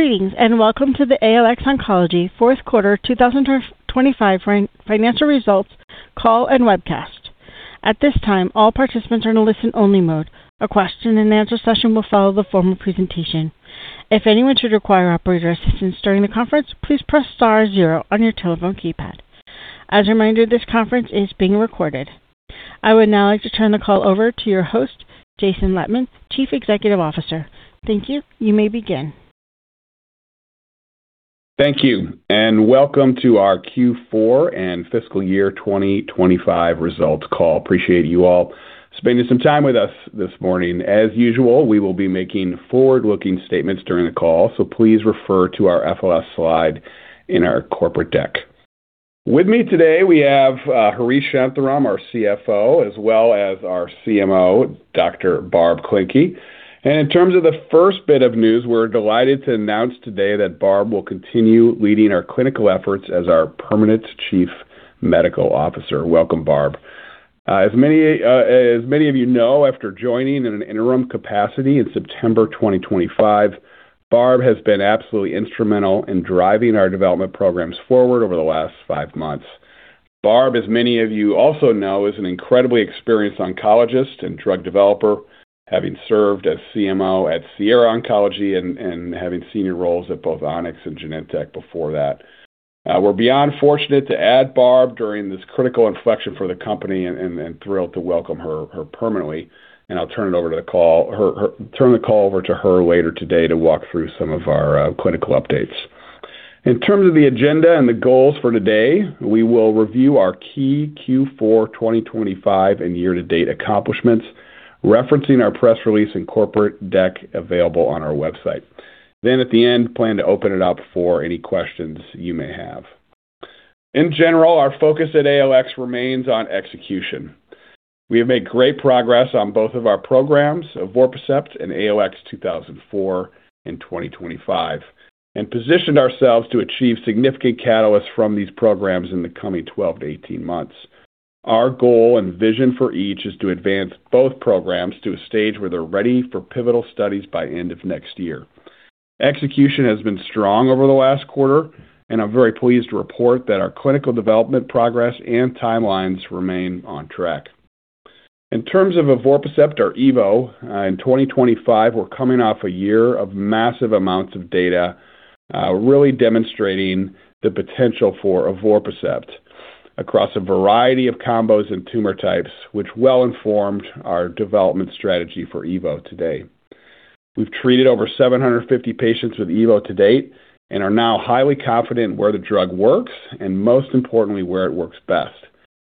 Greetings, and welcome to the ALX Oncology Q4 2025 financial results call and webcast. At this time, all participants are in a listen-only mode. A Q&A session will follow the formal presentation. If anyone should require operator assistance during the conference, please press star zero on your telephone keypad. As a reminder, this conference is being recorded. I would now like to turn the call over to your host, Jason Lettmann, Chief Executive Officer. Thank you. You may begin. Thank you, welcome to our Q4 and fiscal year 2025 results call. Appreciate you all spending some time with us this morning. As usual, we will be making forward-looking statements during the call, so please refer to our FLS slide in our corporate deck. With me today, we have Harish Shantharam, our Chief Financial Officer, as well as our Chief Medical Officer, Dr. Barbara Klencke. In terms of the first bit of news, we're delighted to announce today that Barb will continue leading our clinical efforts as our permanent Chief Medical Officer. Welcome, Barb. As many of you know, after joining in an interim capacity in September 2025, Barb has been absolutely instrumental in driving our development programs forward over the last five months. Barb, as many of you also know, is an incredibly experienced oncologist and drug developer, having served as Chief Medical Officer at Sierra Oncology and having senior roles at both Onyx and Genentech before that. We're beyond fortunate to add Barb during this critical inflection for the company and thrilled to welcome her permanently, and I'll turn the call over to her later today to walk through some of our clinical updates. In terms of the agenda and the goals for today, we will review our key Q4 2025 and year-to-date accomplishments, referencing our press release and corporate deck available on our website. At the end, plan to open it up for any questions you may have. In general, our focus at ALX remains on execution. We have made great progress on both of our programs, Evorpacept and ALX2004 in 2025, and positioned ourselves to achieve significant catalysts from these programs in the coming 12-18 months. Our goal and vision for each is to advance both programs to a stage where they're ready for pivotal studies by end of next year. Execution has been strong over the last quarter, and I'm very pleased to report that our clinical development progress and timelines remain on track. In terms of Evorpacept or EVO, in 2025, we're coming off a year of massive amounts of data, really demonstrating the potential for Evorpacept across a variety of combos and tumor types, which well-informed our development strategy for EVO today. We've treated over 750 patients with evo to date and are now highly confident where the drug works and, most importantly, where it works best.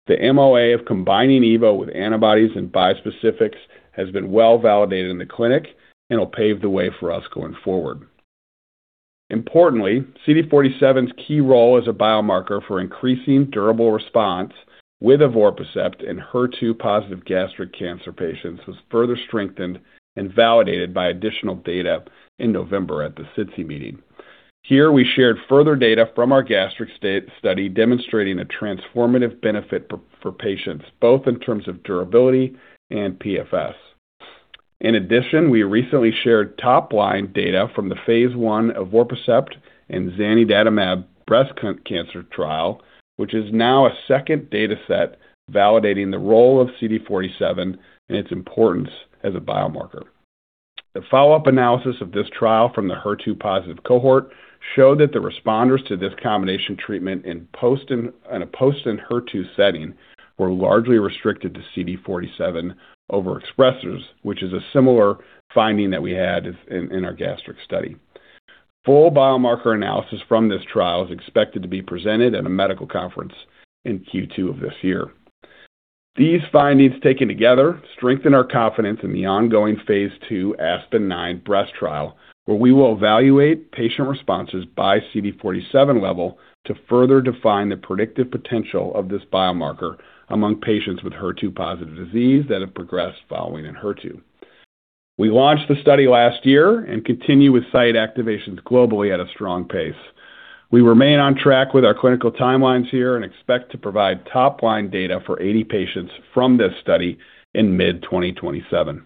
The MOA of combining evo with antibodies and bispecifics has been well-validated in the clinic and will pave the way for us going forward. Importantly, CD47's key role as a biomarker for increasing durable response with evorpacept in HER2-positive gastric cancer patients was further strengthened and validated by additional data in November at the SITC meeting. Here, we shared further data from our gastric state study, demonstrating a transformative benefit for patients, both in terms of durability and PFS. In addition, we recently shared top-line data from the phase I evorpacept and zanidatamab breast cancer trial, which is now a second dataset validating the role of CD47 and its importance as a biomarker. The follow-up analysis of this trial from the HER2-positive cohort showed that the responders to this combination treatment in a post and HER2 setting were largely restricted to CD47 overexpressers, which is a similar finding that we had in our gastric study. Full biomarker analysis from this trial is expected to be presented at a medical conference in Q2 of this year. These findings, taken together, strengthen our confidence in the ongoing phase II ASPEN-09-Breast trial, where we will evaluate patient responses by CD47 level to further define the predictive potential of this biomarker among patients with HER2-positive disease that have progressed following in HER2. We launched the study last year and continue with site activations globally at a strong pace. We remain on track with our clinical timelines here and expect to provide top-line data for 80 patients from this study in mid 2027.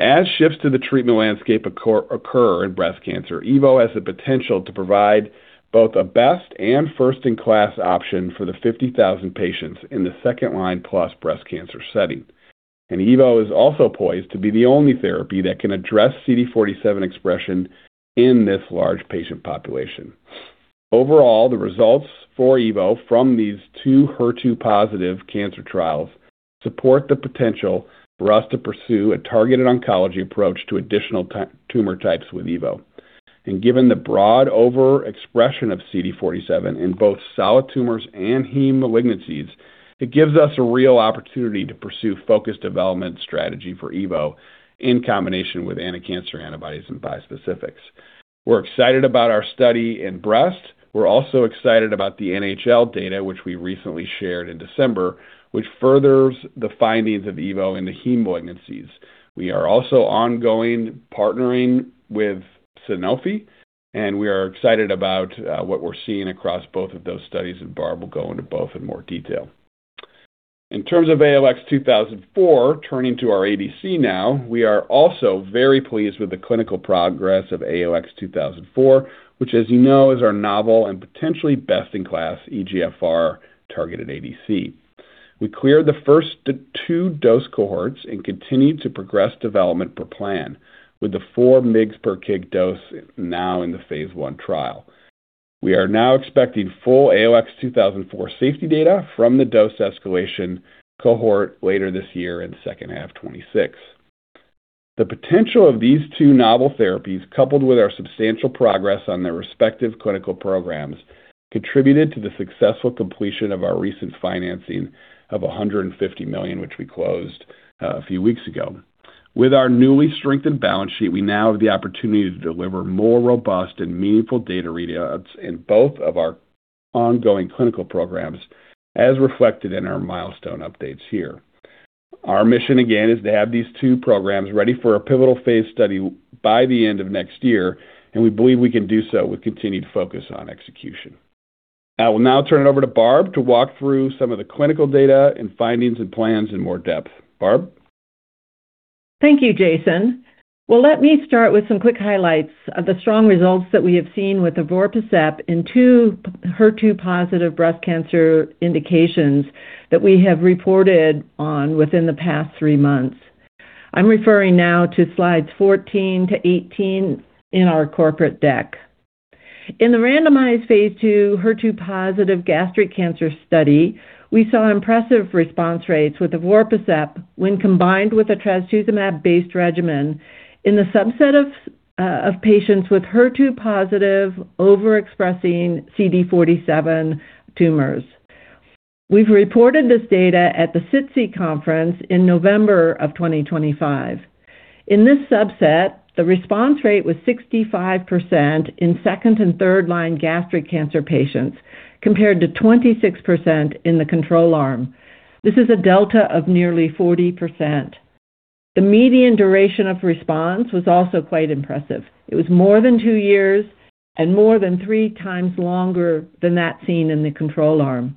As shifts to the treatment landscape occur in breast cancer, EVO has the potential to provide both a best and first-in-class option for the 50,000 patients in the second-line plus breast cancer setting. EVO is also poised to be the only therapy that can address CD47 expression in this large patient population. Overall, the results for EVO from these two HER2 positive cancer trials support the potential for us to pursue a targeted oncology approach to additional tumor types with EVO. Given the broad overexpression of CD47 in both solid tumors and heme malignancies, it gives us a real opportunity to pursue focused development strategy for EVO in combination with anticancer antibodies and bispecifics. We're excited about our study in breast. We're also excited about the NHL data, which we recently shared in December, which furthers the findings of EVO in the heme malignancies. We are also ongoing partnering with Sanofi, and we are excited about what we're seeing across both of those studies, and Barb will go into both in more detail. In terms of ALX2004, turning to our ADC now, we are also very pleased with the clinical progress of ALX2004, which, as you know, is our novel and potentially best-in-class EGFR-targeted ADC. We cleared the first two dose cohorts and continued to progress development per plan, with the 4 mg per kg dose now in the phase I trial. We are now expecting full ALX2004 safety data from the dose escalation cohort later this year in second half 2026. The potential of these two novel therapies, coupled with our substantial progress on their respective clinical programs, contributed to the successful completion of our recent financing of $150 million, which we closed a few weeks ago. With our newly strengthened balance sheet, we now have the opportunity to deliver more robust and meaningful data readouts in both of our ongoing clinical programs, as reflected in our milestone updates here. Our mission, again, is to have these two programs ready for a pivotal phase study by the end of next year, and we believe we can do so with continued focus on execution. I will now turn it over to Barb to walk through some of the clinical data and findings and plans in more depth. Barb? Thank you, Jason. Well, let me start with some quick highlights of the strong results that we have seen with evorpacept in two HER2-positive breast cancer indications that we have reported on within the past three months. I'm referring now to slides 14-18 in our corporate deck. In the randomized phase II HER2-positive gastric cancer study, we saw impressive response rates with evorpacept when combined with a trastuzumab-based regimen in the subset of patients with HER2-positive overexpressing CD47 tumors. We've reported this data at the SITC conference in November of 2025. In this subset, the response rate was 65% in second and third-line gastric cancer patients, compared to 26% in the control arm. This is a delta of nearly 40%. The median duration of response was also quite impressive. It was more than two years and more than 3x longer than that seen in the control arm.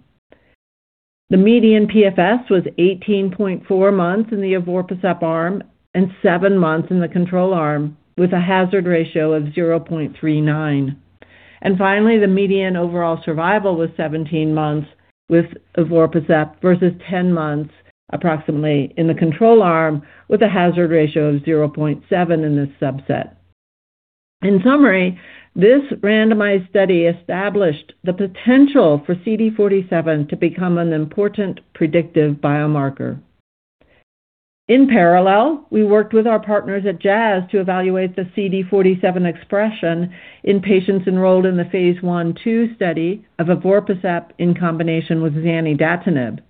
The median PFS was 18.4 months in the evorpacept arm and seven months in the control arm, with a hazard ratio of 0.39. Finally, the median overall survival was 17 months with evorpacept versus 10 months approximately in the control arm, with a hazard ratio of 0.7 in this subset. In summary, this randomized study established the potential for CD47 to become an important predictive biomarker. In parallel, we worked with our partners at Jazz to evaluate the CD47 expression in patients enrolled in the phase I/II study of evorpacept in combination with zanidatamab.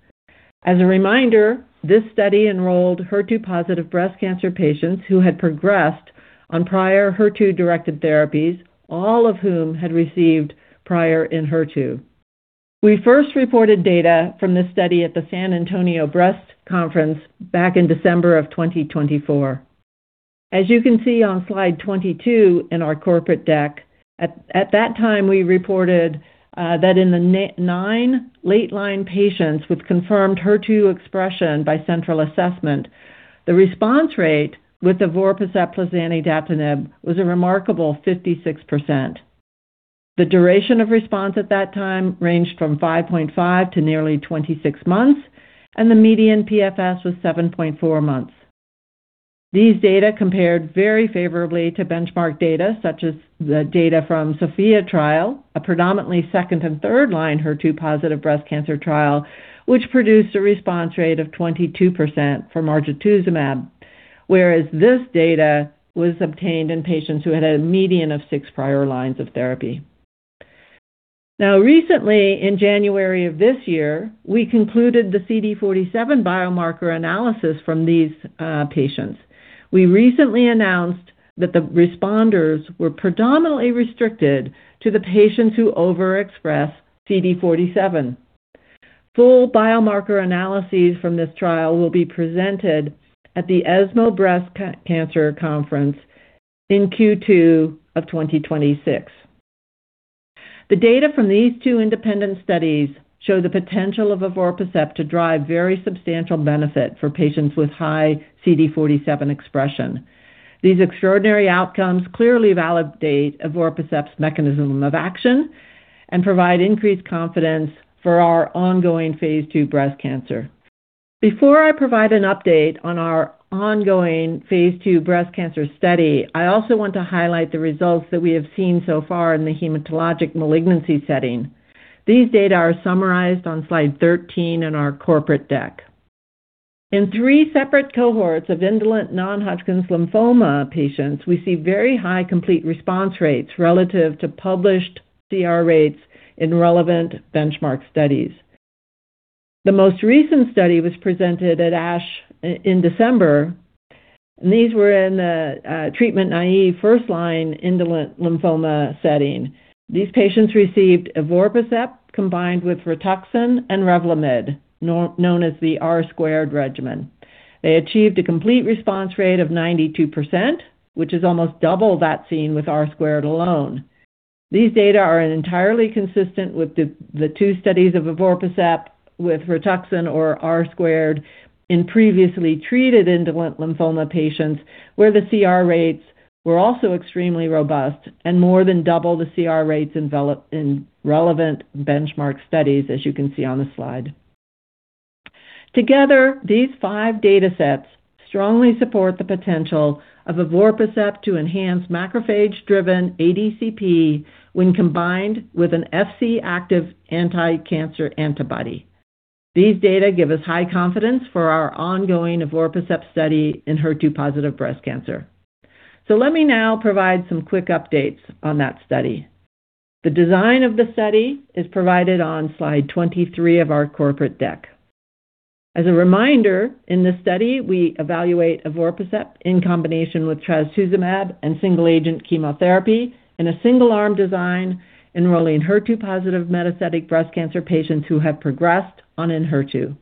As a reminder, this study enrolled HER2-positive breast cancer patients who had progressed on prior HER2-directed therapies, all of whom had received prior ENHERTU. We first reported data from this study at the San Antonio Breast Cancer Symposium back in December of 2024. As you can see on slide 22 in our corporate deck, at that time, we reported that in the nine late-line patients with confirmed HER2 expression by central assessment, the response rate with evorpacept plus zanidatamab was a remarkable 56%. The duration of response at that time ranged from 5.5 to nearly 26 months, and the median PFS was 7.4 months. These data compared very favorably to benchmark data, such as the data from SOPHIA trial, a predominantly second and third-line HER2-positive breast cancer trial, which produced a response rate of 22% for margetuximab. Whereas this data was obtained in patients who had had a median of six prior lines of therapy. Recently, in January of this year, we concluded the CD47 biomarker analysis from these patients. We recently announced that the responders were predominantly restricted to the patients who overexpress CD47. Full biomarker analyses from this trial will be presented at the ESMO Breast Cancer Conference in Q2 of 2026. The data from these two independent studies show the potential of evorpacept to drive very substantial benefit for patients with high CD47 expression. These extraordinary outcomes clearly validate evorpacept's mechanism of action and provide increased confidence for our ongoing phase II breast cancer. Before I provide an update on our ongoing phase II breast cancer study, I also want to highlight the results that we have seen so far in the hematologic malignancy setting. These data are summarized on slide 13 in our corporate deck. In three separate cohorts of indolent non-Hodgkin's lymphoma patients, we see very high complete response rates relative to published CR rates in relevant benchmark studies. The most recent study was presented at ASH in December. These were in the treatment-naive first-line indolent lymphoma setting. These patients received evorpacept combined with RITUXAN and REVLIMID, known as the R-squared regimen. They achieved a complete response rate of 92%, which is almost double that seen with R-squared alone. These data are entirely consistent with the two studies of evorpacept with RITUXAN or R-squared in previously treated indolent lymphoma patients, where the CR rates were also extremely robust and more than double the CR rates in relevant benchmark studies, as you can see on the slide. Together, these five data sets strongly support the potential of evorpacept to enhance macrophage-driven ADCP when combined with an Fc active anticancer antibody. These data give us high confidence for our ongoing evorpacept study in HER2-positive breast cancer. Let me now provide some quick updates on that study. The design of the study is provided on slide 23 of our corporate deck. As a reminder, in this study, we evaluate evorpacept in combination with trastuzumab and single-agent chemotherapy in a single-arm design, enrolling HER2-positive metastatic breast cancer patients who have progressed on ENHERTU.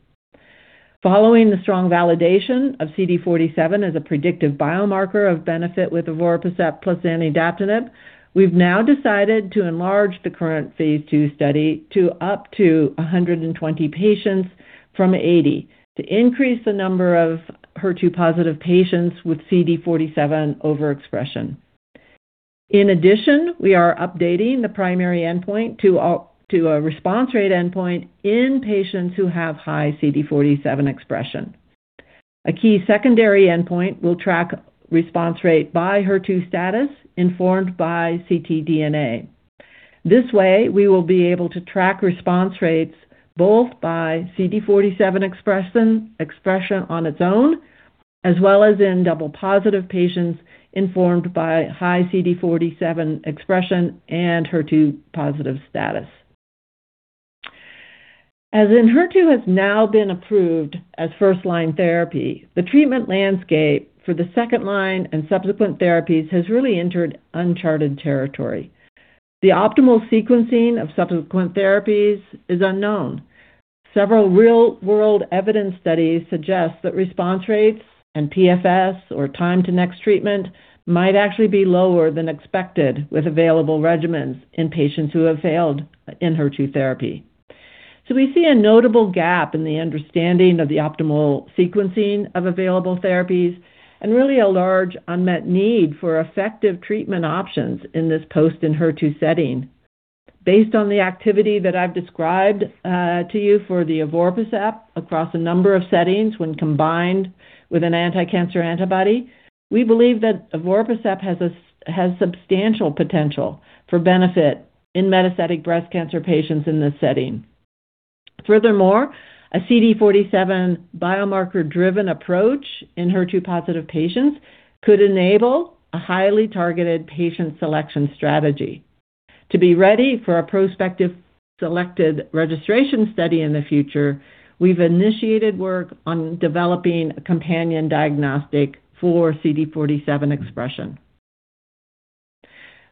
Following the strong validation of CD47 as a predictive biomarker of benefit with evorpacept plus zanidatamab, we've now decided to enlarge the current phase II study to up to 120 patients from 80, to increase the number of HER2-positive patients with CD47 overexpression. We are updating the primary endpoint to a response rate endpoint in patients who have high CD47 expression. A key secondary endpoint will track response rate by HER2 status, informed by ctDNA. This way, we will be able to track response rates both by CD47 expression on its own, as well as in double-positive patients informed by high CD47 expression and HER2-positive status. ENHERTU has now been approved as first-line therapy, the treatment landscape for the second-line and subsequent therapies has really entered uncharted territory. The optimal sequencing of subsequent therapies is unknown. Several real-world evidence studies suggest that response rates and PFS, or time to next treatment, might actually be lower than expected with available regimens in patients who have failed ENHERTU therapy. We see a notable gap in the understanding of the optimal sequencing of available therapies and really a large unmet need for effective treatment options in this post-ENHERTU setting. Based on the activity that I've described to you for the evorpacept across a number of settings when combined with an anticancer antibody, we believe that evorpacept has substantial potential for benefit in metastatic breast cancer patients in this setting. Furthermore, a CD47 biomarker-driven approach in HER2-positive patients could enable a highly targeted patient selection strategy. To be ready for a prospective selected registration study in the future, we've initiated work on developing a companion diagnostic for CD47 expression.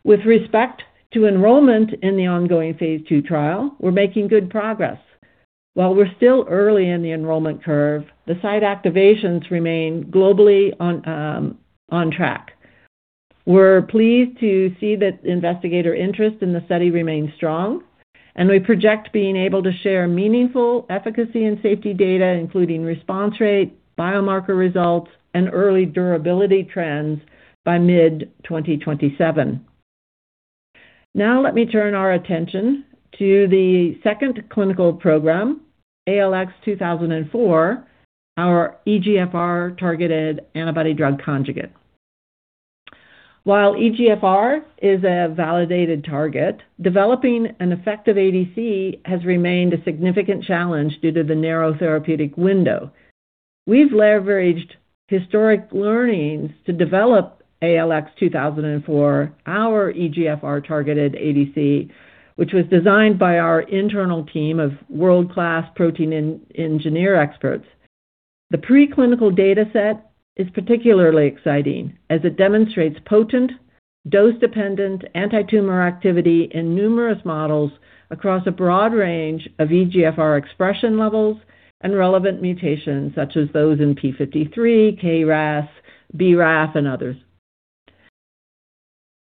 With respect to enrollment in the ongoing phase II trial, we're making good progress. While we're still early in the enrollment curve, the site activations remain globally on track. We're pleased to see that investigator interest in the study remains strong, and we project being able to share meaningful efficacy and safety data, including response rate, biomarker results, and early durability trends, by mid-2027. Now let me turn our attention to the second clinical program, ALX2004, our EGFR-targeted antibody-drug conjugate. While EGFR is a validated target, developing an effective ADC has remained a significant challenge due to the narrow therapeutic window. We've leveraged historic learnings to develop ALX2004, our EGFR-targeted ADC, which was designed by our internal team of world-class protein engineer experts. The preclinical data set is particularly exciting as it demonstrates potent, dose-dependent antitumor activity in numerous models across a broad range of EGFR expression levels and relevant mutations, such as those in p53, KRAS, BRAF, and others.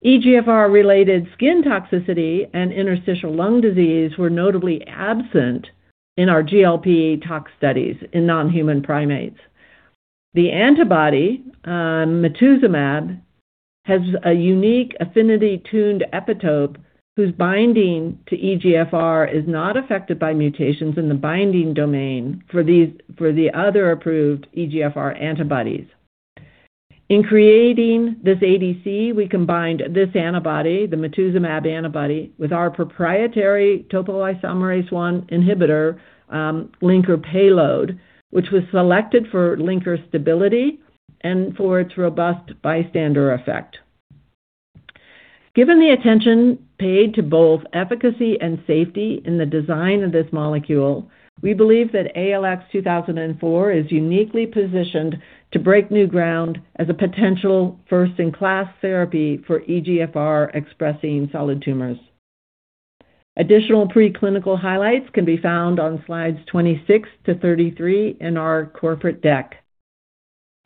EGFR-related skin toxicity and interstitial lung disease were notably absent in our GLP tox studies in non-human primates. The antibody, matuzumab, has a unique affinity-tuned epitope whose binding to EGFR is not affected by mutations in the binding domain for these, for the other approved EGFR antibodies. In creating this ADC, we combined this antibody, the matuzumab antibody, with our proprietary topoisomerase I inhibitor, linker payload, which was selected for linker stability and for its robust bystander effect. Given the attention paid to both efficacy and safety in the design of this molecule, we believe that ALX2004 is uniquely positioned to break new ground as a potential first-in-class therapy for EGFR-expressing solid tumors. Additional preclinical highlights can be found on slides 26-33 in our corporate deck.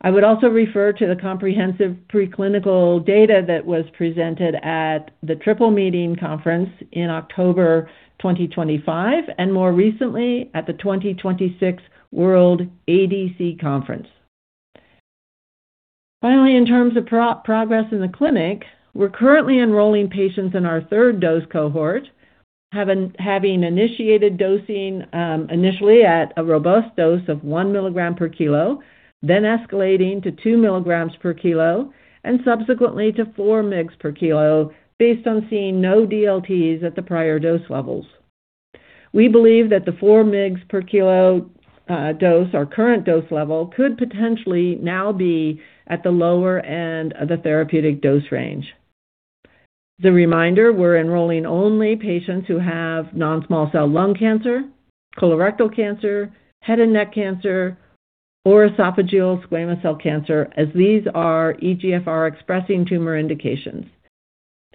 I would also refer to the comprehensive preclinical data that was presented at the Triple Meeting Conference in October 2025, and more recently at the 2026 World ADC Conference. Finally, in terms of progress in the clinic, we're currently enrolling patients in our third dose cohort, having initiated dosing initially at a robust dose of 1 mg per kg, then escalating to 2 mg per kg, and subsequently to 4 mg per kg, based on seeing no DLTs at the prior dose levels. We believe that the 4 mg per kg dose, our current dose level, could potentially now be at the lower end of the therapeutic dose range. As a reminder, we're enrolling only patients who have non-small cell lung cancer, colorectal cancer, head and neck cancer, or esophageal squamous cell cancer, as these are EGFR-expressing tumor indications.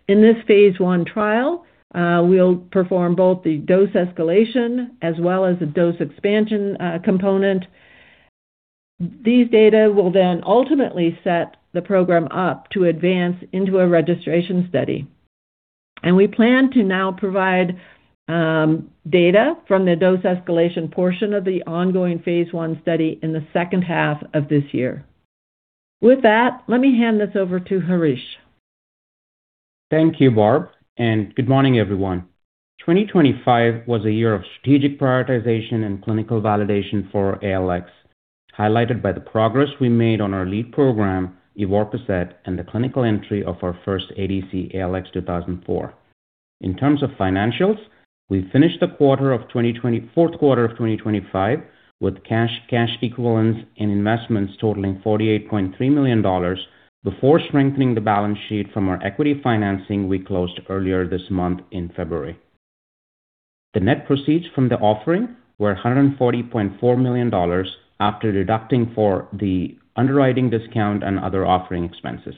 In this phase I trial, we'll perform both the dose escalation as well as the dose expansion component. These data will then ultimately set the program up to advance into a registration study. We plan to now provide data from the dose escalation portion of the ongoing phase I study in the second half of this year. With that, let me hand this over to Harish. Thank you, Barb, and good morning, everyone. 2025 was a year of strategic prioritization and clinical validation for ALX, highlighted by the progress we made on our lead program, evorpacept, and the clinical entry of our first ADC, ALX2004. In terms of financials, we finished the fourth quarter of 2025 with cash equivalents and investments totaling $48.3 million before strengthening the balance sheet from our equity financing we closed earlier this month in February. The net proceeds from the offering were $140.4 million after deducting for the underwriting discount and other offering expenses.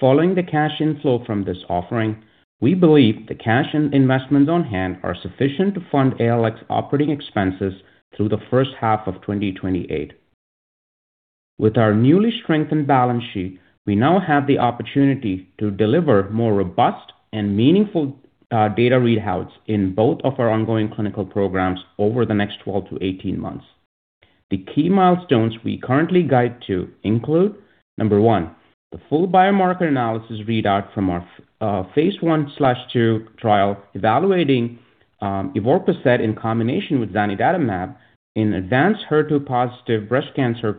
Following the cash inflow from this offering, we believe the cash and investments on hand are sufficient to fund ALX operating expenses through the first half of 2028. With our newly strengthened balance sheet, we now have the opportunity to deliver more robust and meaningful data readouts in both of our ongoing clinical programs over the next 12 to 18 months. The key milestones we currently guide to include: one. the full biomarker analysis readout from our phase I/II trial, evaluating evorpacept in combination with panitumumab in advanced HER2-positive breast cancer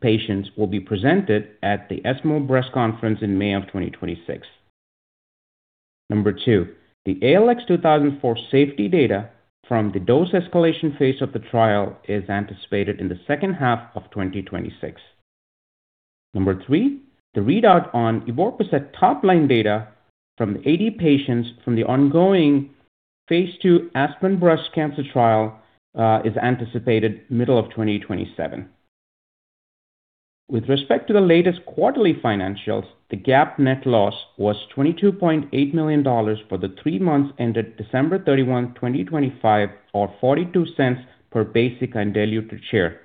patients will be presented at the ESMO Breast Cancer in May of 2026. Two. the ALX2004 safety data from the dose escalation phase of the trial is anticipated in the second half of 2026. Three. the readout on evorpacept top-line data from 80 patients from the ongoing phase II ASPEN-09-Breast trial is anticipated middle of 2027. With respect to the latest quarterly financials, the GAAP net loss was $22.8 million for the three months ended December 31, 2025, or $0.42 per basic undiluted share,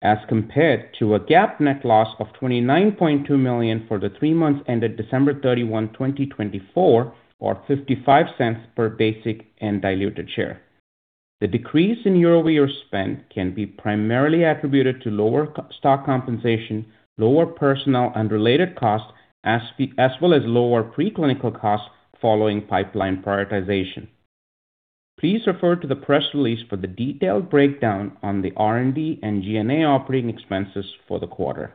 as compared to a GAAP net loss of $29.2 million for the three months ended December 31, 2024, or $0.55 per basic and diluted share. The decrease in year-over-year spend can be primarily attributed to lower co- stock compensation, lower personnel and related costs, as well as lower preclinical costs following pipeline prioritization. Please refer to the press release for the detailed breakdown on the R&D and G&A operating expenses for the quarter.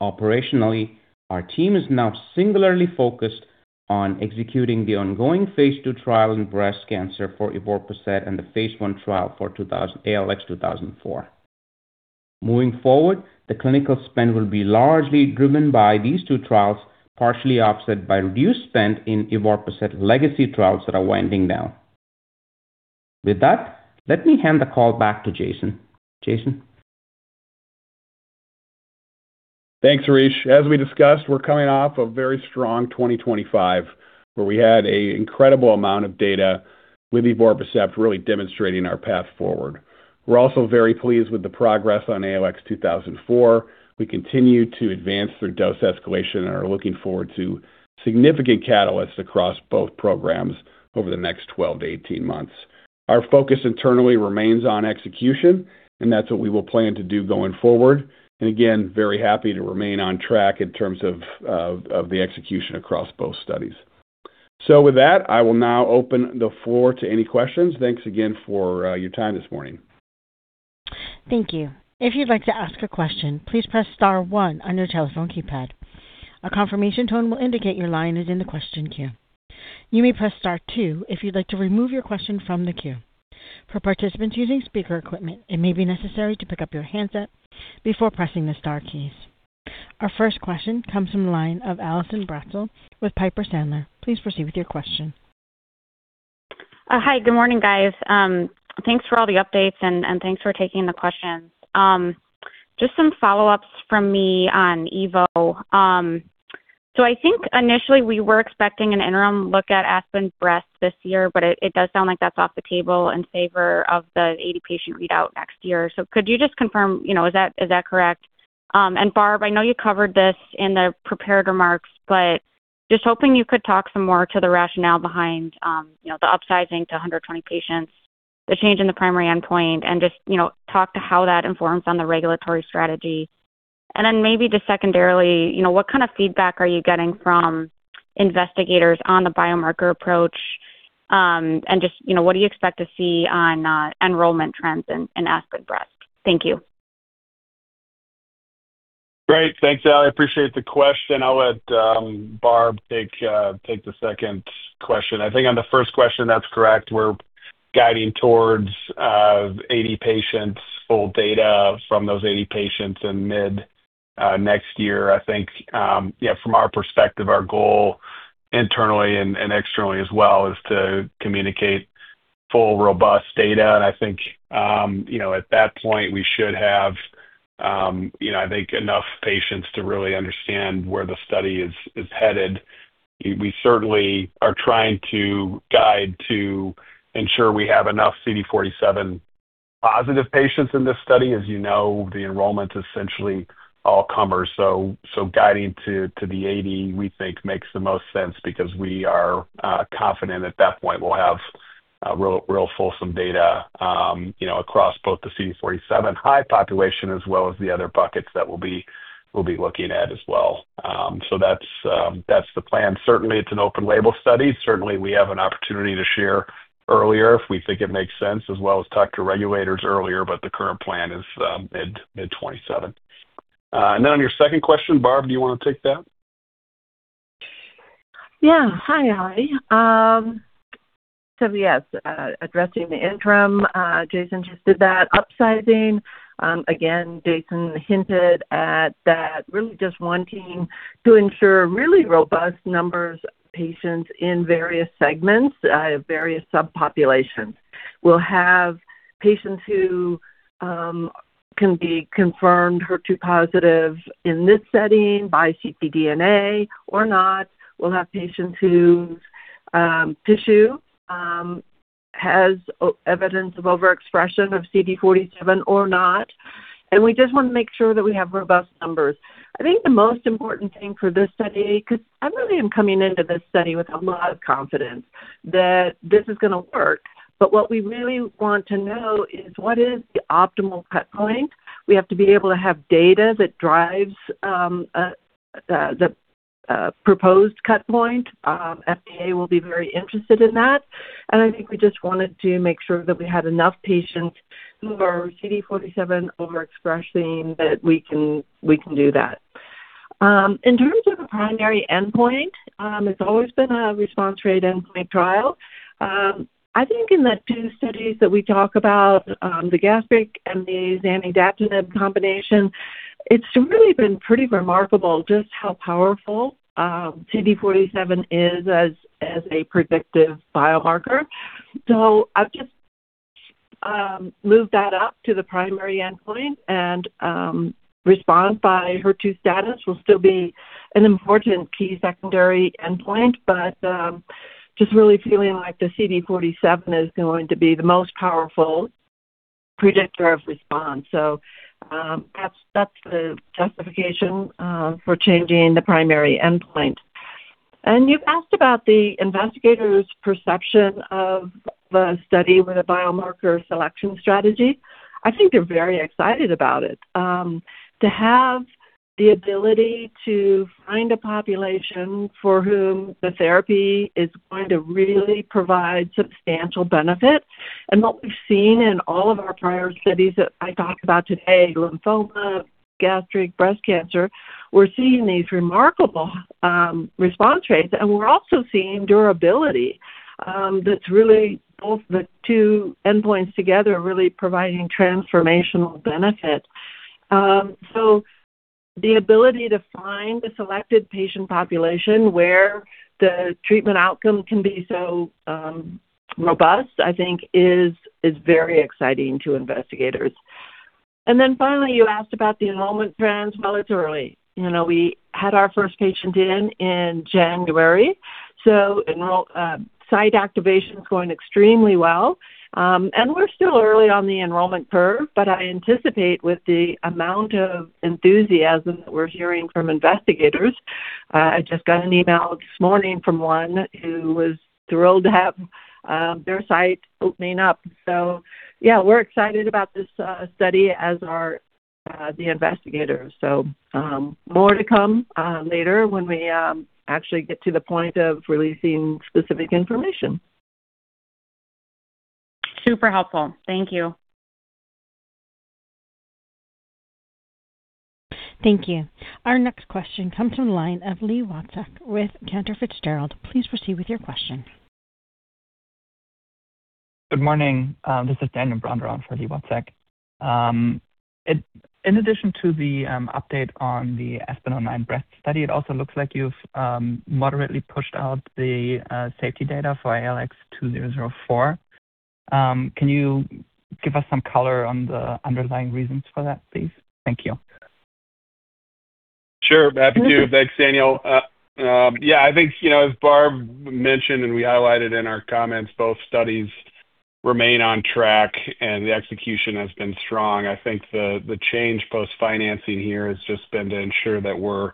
Operationally, our team is now singularly focused on executing the ongoing phase II trial in breast cancer for evorpacept and the phase I trial for ALX2004. Moving forward, the clinical spend will be largely driven by these two trials, partially offset by reduced spend in evorpacept legacy trials that are winding down. With that, let me hand the call back to Jason. Jason? Thanks, Harish. As we discussed, we're coming off a very strong 2025, where we had a incredible amount of data with evorpacept really demonstrating our path forward. We're also very pleased with the progress on ALX2004. We continue to advance through dose escalation and are looking forward to significant catalysts across both programs over the next 12-18 months. Our focus internally remains on execution, and that's what we will plan to do going forward. Again, very happy to remain on track in terms of the execution across both studies. With that, I will now open the floor to any questions. Thanks again for your time this morning. Thank you. If you'd like to ask a question, please press star one on your telephone keypad. A confirmation tone will indicate your line is in the question queue. You may press star two if you'd like to remove your question from the queue. For participants using speaker equipment, it may be necessary to pick up your handset before pressing the star keys. Our first question comes from the line of Allison Bratzel with Piper Sandler. Please proceed with your question. Hi. Good morning, guys. Thanks for all the updates, and thanks for taking the questions. Just some follow-ups from me on evo. I think initially we were expecting an interim look at ASPEN-09-Breast this year, but it does sound like that's off the table in favor of the 80-patient readout next year. Could you just confirm, you know, is that correct? Barb, I know you covered this in the prepared remarks, but just hoping you could talk some more to the rationale behind, you know, the upsizing to 120 patients, the change in the primary endpoint, and just, you know, talk to how that informs on the regulatory strategy. Maybe just secondarily, you know, what kind of feedback are you getting from investigators on the biomarker approach? Just, you know, what do you expect to see on enrollment trends in ASPEN-09-Breast? Thank you. Great. Thanks, Ali. I appreciate the question. I'll let Barb take the second question. I think on the first question, that's correct. We're guiding towards 80 patients, full data from those 80 patients in mid next year. I think, yeah, from our perspective, our goal internally and externally as well, is to communicate full, robust data. I think, you know, at that point, we should have, you know, I think, enough patients to really understand where the study is headed. We certainly are trying to guide to ensure we have enough CD47-positive patients in this study. As you know, the enrollment's essentially all comers, so guiding to the 80, we think, makes the most sense because we are confident at that point we'll have real fulsome data, you know, across both the CD47 high population as well as the other buckets that we'll be looking at as well. That's the plan. It's an open-label study. We have an opportunity to share earlier if we think it makes sense, as well as talk to regulators earlier. The current plan is mid-2027. On your second question, Barb, do you wanna take that? Yeah. Hi, Ali. Yes, addressing the interim, Jason just did that. Upsizing, again, Jason hinted at that really just wanting to ensure really robust numbers of patients in various segments, various subpopulations. We'll have patients who can be confirmed HER2 positive in this setting by ctDNA or not. We'll have patients whose tissue has evidence of overexpression of CD47 or not, and we just wanna make sure that we have robust numbers. I think the most important thing for this study, 'cause I really am coming into this study with a lot of confidence that this is gonna work, but what we really want to know is what is the optimal cut point? We have to be able to have data that drives the proposed cut point. FDA will be very interested in that. I think we just wanted to make sure that we had enough patients who are CD47 overexpressing that we can do that. In terms of the primary endpoint, it's always been a response rate endpoint trial. I think in the two studies that we talk about, the gastric and the zanidatamab combination, it's really been pretty remarkable just how powerful CD47 is as a predictive biomarker. I've just moved that up to the primary endpoint. Response by HER2 status will still be an important key secondary endpoint. Just really feeling like the CD47 is going to be the most powerful predictor of response. That's the justification for changing the primary endpoint. You asked about the investigators' perception of the study with a biomarker selection strategy. I think they're very excited about it. To have the ability to find a population for whom the therapy is going to really provide substantial benefit, and what we've seen in all of our prior studies that I talked about today, lymphoma, gastric, breast cancer, we're seeing these remarkable response rates, and we're also seeing durability, that's really both the two endpoints together are really providing transformational benefit. The ability to find a selected patient population where the treatment outcome can be so robust, I think is very exciting to investigators. Finally, you asked about the enrollment trends. Well, it's early. You know, we had our first patient in in January, so site activation is going extremely well. We're still early on the enrollment curve, but I anticipate with the amount of enthusiasm that we're hearing from investigators, I just got an email this morning from one who was thrilled to have, their site opening up. Yeah, we're excited about this study, as are the investigators. More to come later when we actually get to the point of releasing specific information. Super helpful. Thank you. Thank you. Our next question comes from the line of Li Watsek with Cantor Fitzgerald. Please proceed with your question. Good morning. This is Daniel Braun for Li Watsek. In addition to the update on the ASPEN-09-Breast study, it also looks like you've moderately pushed out the safety data for ALX2004. Can you give us some color on the underlying reasons for that, please? Thank you. Sure. Happy to. Thanks, Daniel. I think, you know, as Barb mentioned, and we highlighted in our comments, both studies remain on track, and the execution has been strong. I think the change post-financing here has just been to ensure that we're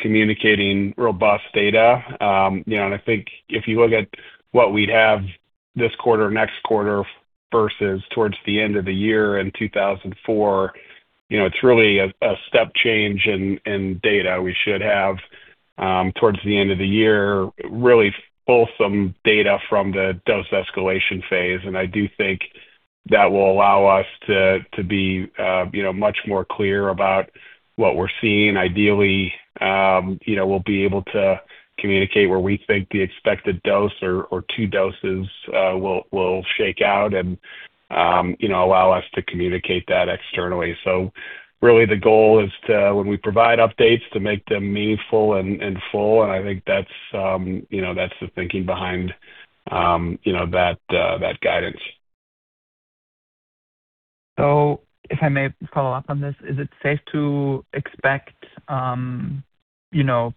communicating robust data. You know, I think if you look at what we'd have this quarter, next quarter versus towards the end of the year in ALX2004, you know, it's really a step change in data we should have towards the end of the year, really fulsome data from the dose escalation phase. I do think that will allow us to be, you know, much more clear about what we're seeing. Ideally, you know, we'll be able to communicate where we think the expected dose or two doses will shake out and, you know, allow us to communicate that externally. Really the goal is to, when we provide updates, to make them meaningful and full, and I think that's, you know, that's the thinking behind, you know, that guidance. if I may follow up on this, is it safe to expect, you know,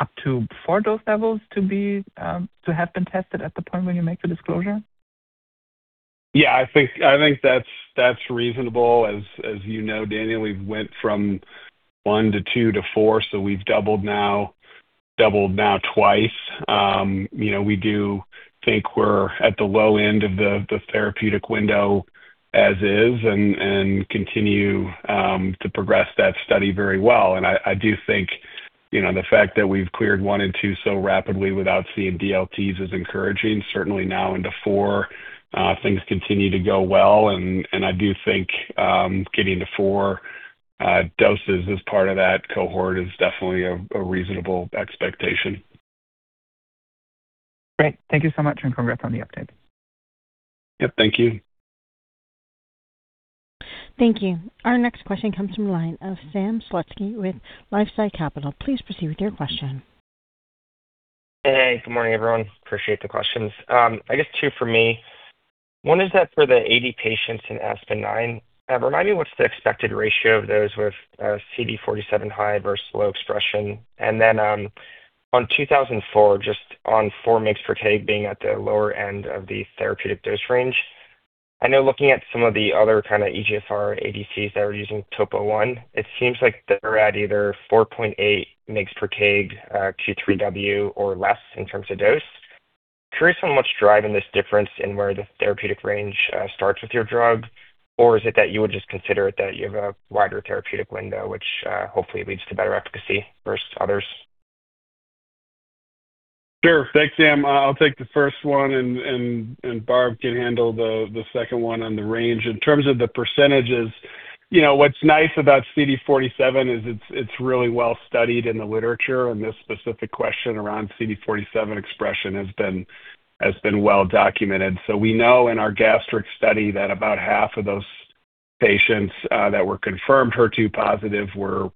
up to four dose levels to be to have been tested at the point when you make the disclosure? Yeah, I think that's reasonable. As you know, Daniel, we've went from 1 mg per kg to 2 mg per kg to 4 mg per kg, so we've doubled now twice. You know, we do think we're at the low end of the therapeutic window as is and continue to progress that study very well. I do think, you know, the fact that we've cleared 1 and 2 so rapidly without seeing DLTs is encouraging. Certainly now into 4, things continue to go well, and I do think getting to four doses as part of that cohort is definitely a reasonable expectation. Great. Thank you so much, congrats on the update. Yep, thank you. Thank you. Our next question comes from the line of Sam Slutsky with LifeSci Capital. Please proceed with your question. Hey, good morning, everyone. Appreciate the questions. I guess two for me. One is that for the AD patients in ASPEN-09, remind me what's the expected ratio of those with CD47 high versus low expression? On ALX2004, just on 4 mg per kg being at the lower end of the therapeutic dose range, I know looking at some of the other kind of EGFR ADCs that are using TOPO1, it seems like they're at either 4.8 mg per kg, Q3W or less in terms of dose. Curious on what's driving this difference in where the therapeutic range starts with your drug, or is it that you would just consider it that you have a wider therapeutic window, which hopefully leads to better efficacy versus others? Sure. Thanks, Sam. I'll take the first one and Barb can handle the second one on the range. In terms of the percentages, you know, what's nice about CD47 is it's really well studied in the literature, and this specific question around CD47 expression has been well documented. We know in our gastric study that about half of those patients, that were confirmed HER2-positive were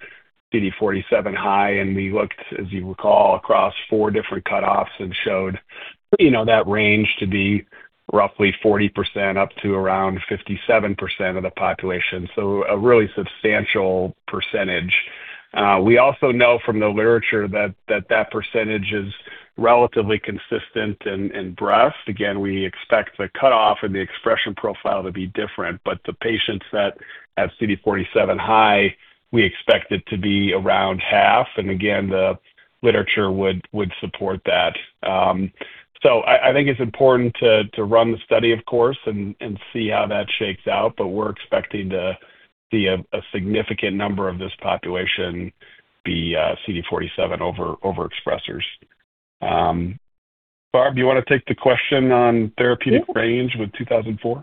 CD47 high, and we looked, as you recall, across four different cutoffs and showed, you know, that range to be roughly 40% up to around 57% of the population. A really substantial percentage. We also know from the literature that percentage is relatively consistent in breast. Again, we expect the cutoff and the expression profile to be different, but the patients that have CD47 high, we expect it to be around half. The literature would support that. I think it's important to run the study, of course, and see how that shakes out, but we're expecting to see a significant number of this population be CD47 overexpressers. Barb, do you want to take the question on therapeutic range with ALX2004?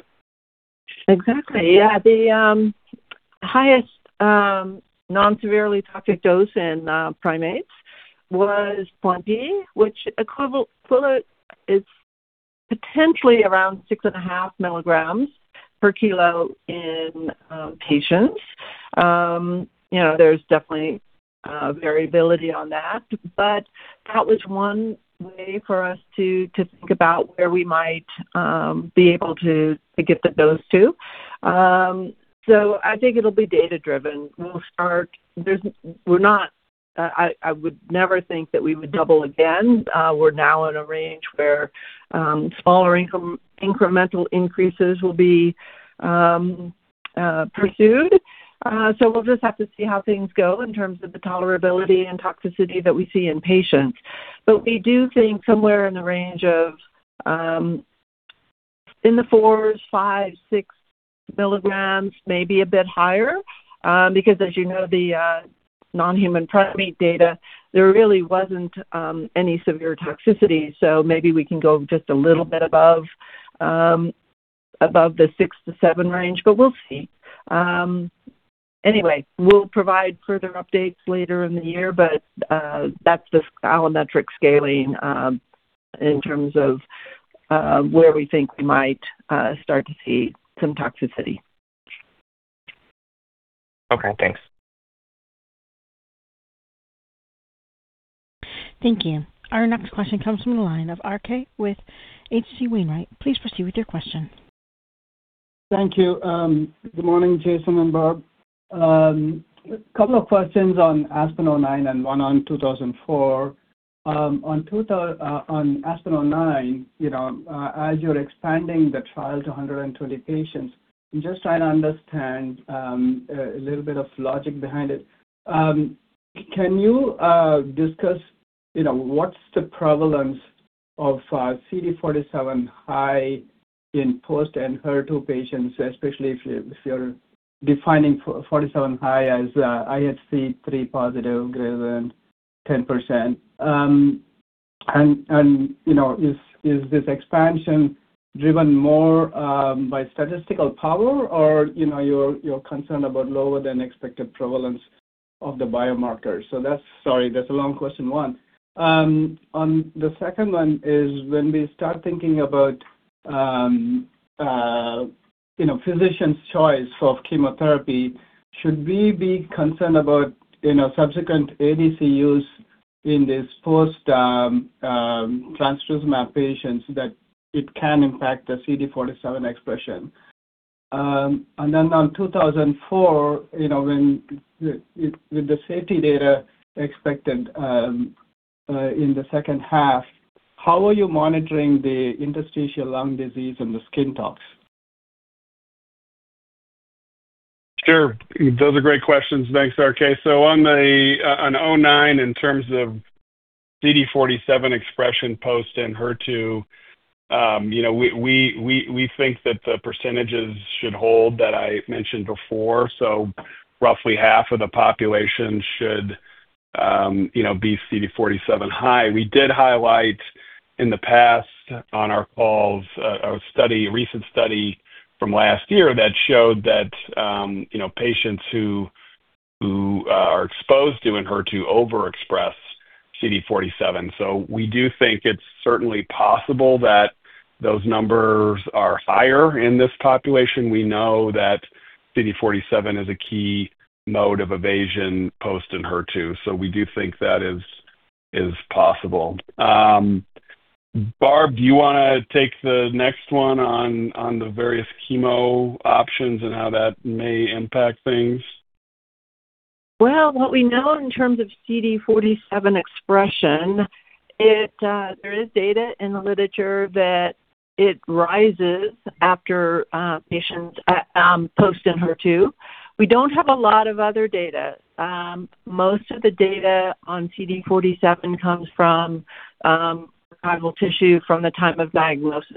Exactly. Yeah. The highest non-severely toxic dose in primates was 20 mg per kg, which equivalent, well, it's potentially around 6.5 mg per kg in patients. You know, there's definitely variability on that, but that was one way for us to think about where we might be able to get the dose to. I think it'll be data-driven. We'll start... There's, we're not, I would never think that we would double again. We're now in a range where smaller incremental increases will be pursued. We'll just have to see how things go in terms of the tolerability and toxicity that we see in patients. We do think somewhere in the range of, in the 4, 5, 6 mg, maybe a bit higher, because as you know, the non-human primate data, there really wasn't any severe toxicity. Maybe we can go just a little bit above the 6 mg per kg-7 mg per kg range, but we'll see. We'll provide further updates later in the year. That's the allometric scaling, in terms of where we think we might start to see some toxicity. Okay, thanks. Thank you. Our next question comes from the line of RK with H.C. Wainwright & Co. Please proceed with your question. Thank you. Good morning, Jason and Barb. A couple of questions on ASPEN-09 and one on ALX2004. On ASPEN-09, you know, as you're expanding the trial to 120 patients, I'm just trying to understand a little bit of logic behind it. Can you discuss, you know, what's the prevalence of CD47 high in post and HER2 patients, especially if you're defining 47 high as IHC 3 positive greater than 10%? You know, this expansion driven more by statistical power or, you know, you're concerned about lower than expected prevalence of the biomarkers? Sorry, that's a long question one. On the second one is when we start thinking about, you know, physicians' choice of chemotherapy, should we be concerned about, you know, subsequent ADC use in this post trastuzumab patients, that it can impact the CD47 expression? On ALX2004, you know, when the, with the safety data expected in the second half, how are you monitoring the interstitial lung disease and the skin tox? Sure. Those are great questions. Thanks, RK. On the ASPEN-09, in terms of CD47 expression post ENHERTU, you know, we think that the % should hold that I mentioned before. Roughly half of the population should, you know, be CD47 high. We did highlight in the past on our calls, a study, a recent study from last year that showed that, you know, patients who are exposed to ENHERTU overexpress CD47. We do think it's certainly possible that those numbers are higher in this population. We know that CD47 is a key mode of evasion post ENHERTU, we do think that is possible. Barb, do you want to take the next one on the various chemo options and how that may impact things? Well, what we know in terms of CD47 expression, it there is data in the literature that it rises after patients post ENHERTU. We don't have a lot of other data. Most of the data on CD47 comes from archival tissue from the time of diagnosis.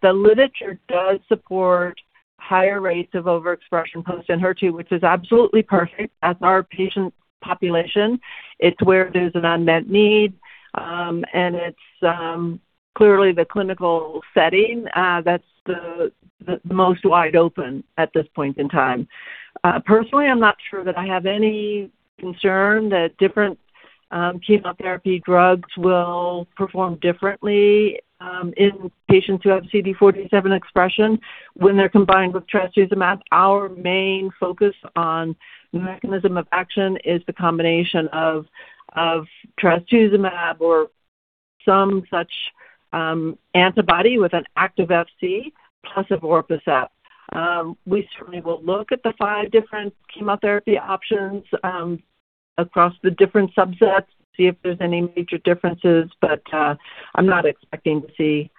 The literature does support higher rates of overexpression post ENHERTU, which is absolutely perfect as our patient population. It's where there's an unmet need, and it's clearly the clinical setting that's the most wide open at this point in time. Personally, I'm not sure that I have any concern that different chemotherapy drugs will perform differently in patients who have CD47 expression when they're combined with trastuzumab. Our main focus on the mechanism of action is the combination of trastuzumab or some such antibody with an active Fc plus evorpacept. We certainly will look at the five different chemotherapy options across the different subsets to see if there's any major differences, but I'm not expecting to see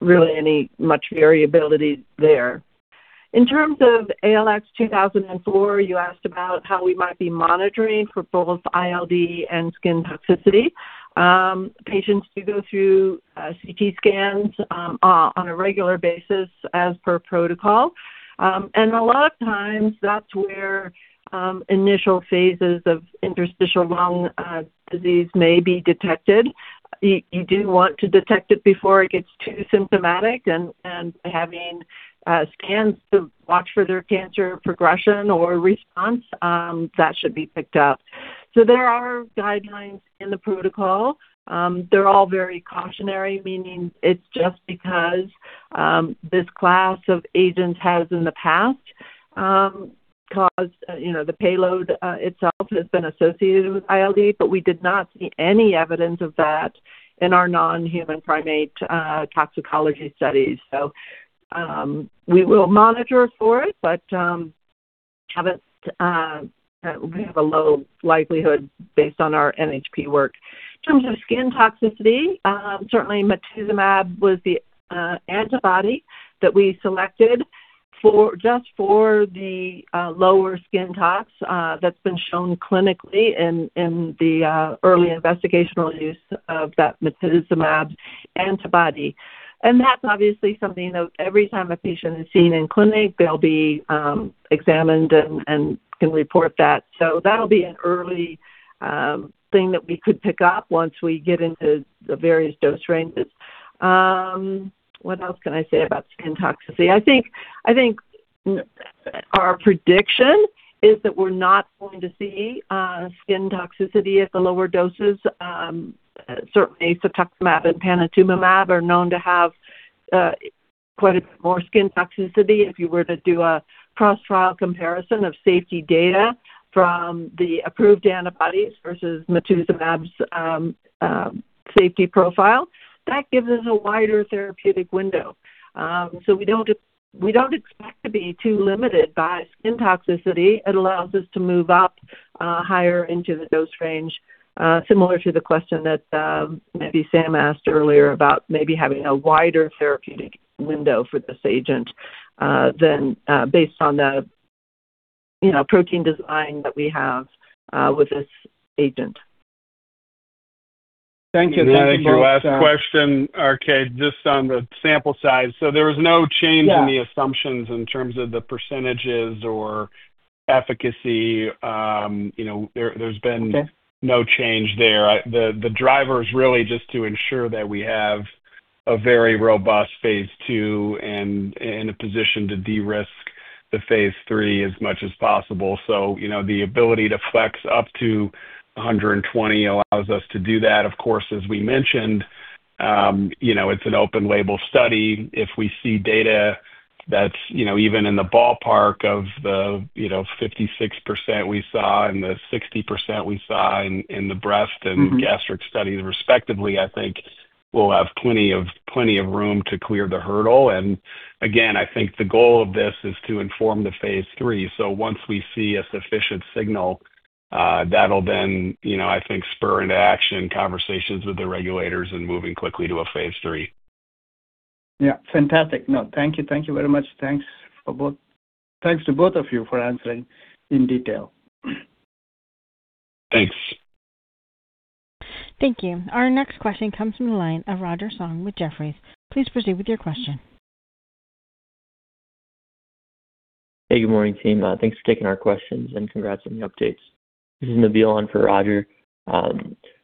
really any much variability there. In terms of ALX2004, you asked about how we might be monitoring for both ILD and skin toxicity. Patients do go through CT scans on a regular basis as per protocol. A lot of times that's where initial phases of interstitial lung disease may be detected. You do want to detect it before it gets too symptomatic and having scans to watch for their cancer progression or response, that should be picked up. There are guidelines in the protocol. They're all very cautionary, meaning it's just because this class of agents has in the past caused, you know, the payload itself has been associated with ILD, but we did not see any evidence of that in our non-human primate toxicology studies. We will monitor for it, but have a we have a low likelihood based on our NHP work. In terms of skin toxicity, certainly matuzumab was the antibody that we selected for, just for the lower skin tox that's been shown clinically in the early investigational use of that matuzumab antibody. That's obviously something that every time a patient is seen in clinic, they'll be examined and can report that. That'll be an early thing that we could pick up once we get into the various dose ranges. What else can I say about skin toxicity? Our prediction is that we're not going to see skin toxicity at the lower doses. Certainly cetuximab and panitumumab are known to have quite a bit more skin toxicity. If you were to do a cross-trial comparison of safety data from the approved antibodies versus matuzumab's safety profile, that gives us a wider therapeutic window. We don't, we don't expect to be too limited by skin toxicity. It allows us to move up higher into the dose range. similar to the question that maybe Sam asked earlier about maybe having a wider therapeutic window for this agent, than, based on the, you know, protein design that we have, with this agent. Thank you. Thank you both. To your last question, RK, just on the sample size. There was no change- Yeah.... in the assumptions in terms of the percentages or efficacy. you know, there's been- Okay. no change there. I, the driver is really just to ensure that we have a very robust phase II and in a position to de-risk the phase III as much as possible. You know, the ability to flex up to 120 allows us to do that. Of course, as we mentioned, you know, it's an open-label study. If we see data that's, you know, even in the ballpark of the, you know, 56% we saw and the 60% we saw in the breast and gastric studies respectively, I think we'll have plenty of room to clear the hurdle. Again, I think the goal of this is to inform the phase III. Once we see a sufficient signal, that'll then, you know, I think, spur into action conversations with the regulators and moving quickly to a phase III. Yeah. Fantastic. No, thank you. Thank you very much. Thanks to both of you for answering in detail. Thanks. Thank you. Our next question comes from the line of Roger Song with Jefferies. Please proceed with your question. Hey, good morning, team. Thanks for taking our questions, and congrats on the updates. This is Nabil on for Roger.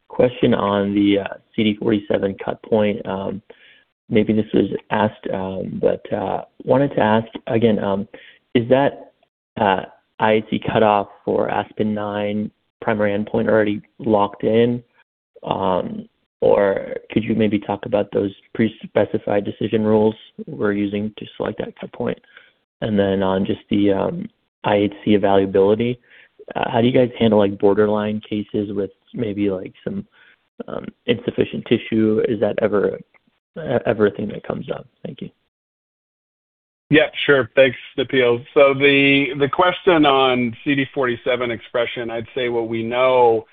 Question on the CD47 cut point. Maybe this was asked, but wanted to ask again, is that IHC cutoff for ASPEN-09 primary endpoint already locked in? Or could you maybe talk about those pre-specified decision rules we're using to select that cut point? Then on just the IHC evaluability, how do you guys handle, like, borderline cases with maybe, like, some insufficient tissue? Is that ever a thing that comes up? Thank you. Yeah, sure. Thanks, Nabil. The, the question on CD47 expression, I'd say what we know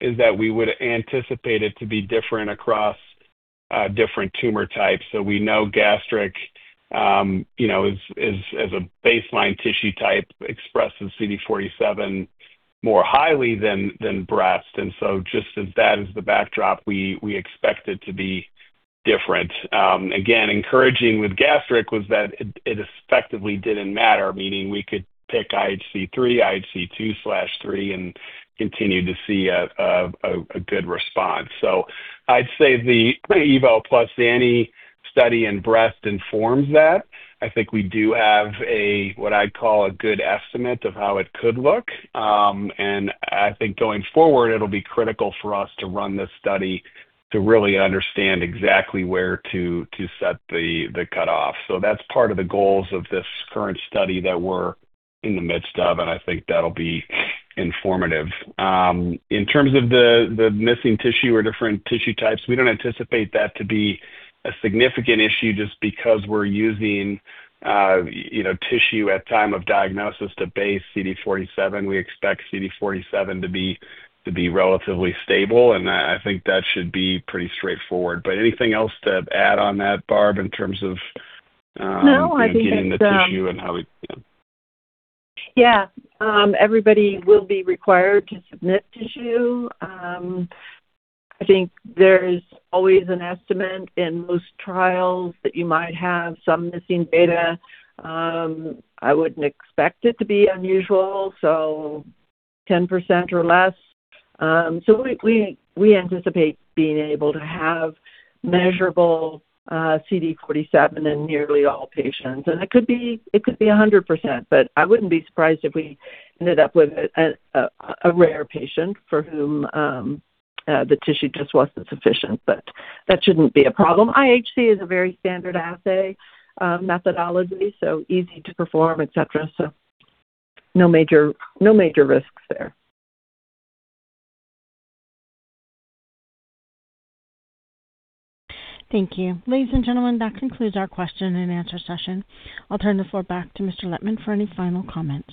is that we would anticipate it to be different across different tumor types. We know gastric, you know, is as a baseline tissue type, expresses CD47 more highly than breast. Just as that is the backdrop, we expect it to be different. Again, encouraging with gastric was that it effectively didn't matter, meaning we could pick IHC 3, IHC 2/3 and continue to see a good response. I'd say the evo plus Zani study in breast informs that. I think we do have a, what I'd call a good estimate of how it could look. I think going forward, it'll be critical for us to run this study to really understand exactly where to set the cutoff. That's part of the goals of this current study that we're in the midst of, and I think that'll be informative. In terms of the missing tissue or different tissue types, we don't anticipate that to be a significant issue just because we're using, you know, tissue at time of diagnosis to base CD47. We expect CD47 to be relatively stable, and I think that should be pretty straightforward. Anything else to add on that, Barb, in terms of- No, I think it's-... getting the tissue and how we... Yeah. Yeah. Everybody will be required to submit tissue. I think there is always an estimate in most trials that you might have some missing data. I wouldn't expect it to be unusual, so 10% or less. We anticipate being able to have measurable CD47 in nearly all patients, and it could be, it could be 100%, but I wouldn't be surprised if we ended up with a rare patient for whom the tissue just wasn't sufficient. That shouldn't be a problem. IHC is a very standard assay methodology, so easy to perform, et cetera. No major, no major risks there. Thank you. Ladies and gentlemen, that concludes our Q&A session. I'll turn the floor back to Mr. Lettmann for any final comments.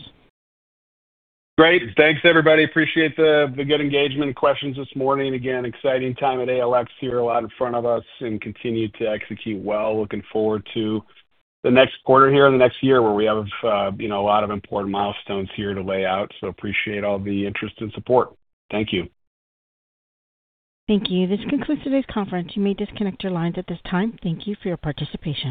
Great. Thanks, everybody. Appreciate the good engagement and questions this morning. Again, exciting time at ALX. Here, a lot in front of us and continue to execute well. Looking forward to the next quarter here and the next year, where we have, you know, a lot of important milestones here to lay out. Appreciate all the interest and support. Thank you. Thank you. This concludes today's conference. You may disconnect your lines at this time. Thank you for your participation.